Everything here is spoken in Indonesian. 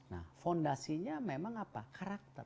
nah fondasinya memang apa karakter